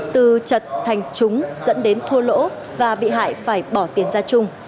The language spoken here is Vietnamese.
từ chật thành chúng dẫn đến thua lỗ và bị hại phải bỏ tiền ra chung